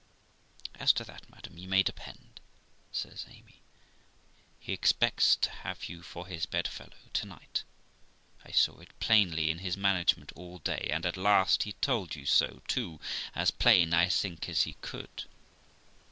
'As to that, madam, yon may depend', says Amy, 'he expects to have you for his bedfellow to night. I saw it plainly in his management all day; and at last he told you so too, as plain, I think, as he could.'